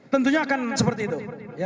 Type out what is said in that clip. tentunya akan seperti itu